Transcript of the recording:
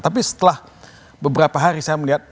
tapi setelah beberapa hari saya melihat